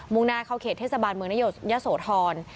มูงนาเขาเขตเทศบาลเมืองนโยยระโยชน์ยโสทร